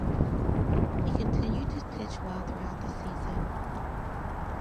He continued to pitch well throughout the season.